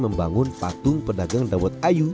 membangun patung pedagang dawet ayu